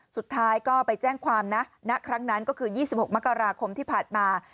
สุดท้ายก็ไปแจ้งความนะณครั้งนั้นก็คือ๒๖มกราคมที่ผ่านมา